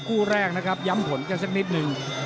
คู่แรกนะครับย้ำผลกันสักนิดนึง